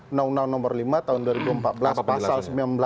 undang undang nomor lima tahun dua ribu empat belas pasal sembilan belas